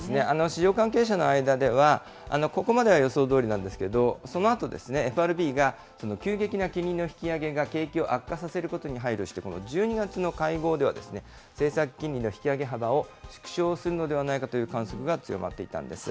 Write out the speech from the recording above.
市場関係者の間では、ここまでは予想どおりなんですけれど、そのあとですね、ＦＲＢが急激な金利の引き上げが景気を悪化させることに配慮してこの１２月の会合では、政策金利の引き上げ幅を縮小するのではないかという観測が強まっていたんです。